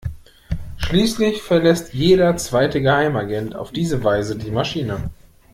Schließlich verlässt jeder zweite Geheimagent auf diese Weise die Maschine.